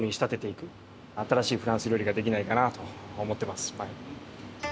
新しいフランス料理ができないかなと思ってます。